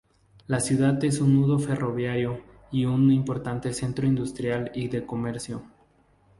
La ciudad es un nudo ferroviario y un importante centro industrial y de comercio.